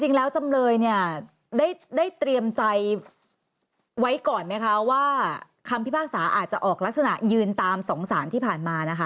จำเลยเนี่ยได้เตรียมใจไว้ก่อนไหมคะว่าคำพิพากษาอาจจะออกลักษณะยืนตามสองสารที่ผ่านมานะคะ